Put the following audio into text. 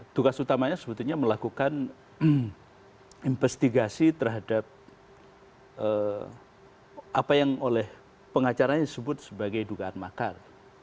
tugas utamanya sebetulnya melakukan investigasi terhadap apa yang oleh pengacaranya disebut sebagai dugaan makar